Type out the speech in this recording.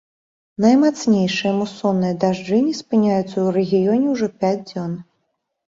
Наймацнейшыя мусонныя дажджы не спыняюцца ў рэгіёне ўжо пяць дзён.